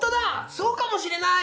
そうかもしれない。